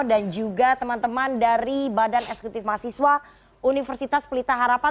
dan juga teman teman dari badan eksekutif mahasiswa universitas pelita harapan